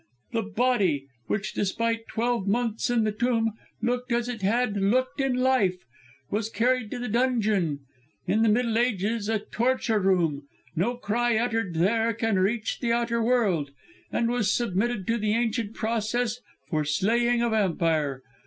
"The body, which despite twelve months in the tomb, looked as it had looked in life, was carried to the dungeon in the Middle Ages a torture room; no cry uttered there can reach the outer world and was submitted to the ancient process for slaying a vampire.